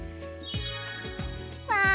わあ！